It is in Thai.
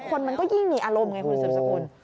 คนมันก็ยิ่งมีอารมณ์ไงคุณสัปดาห์สมควร